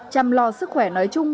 chăm lo sức khỏe nói chung